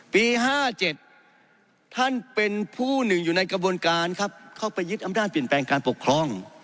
ปี๕๗ท่านเป็นผู้หนึ่งอยู่ในกระบวนการครับเข้าไปยึดอำนาจเปลี่ยนแปลงการปกครอง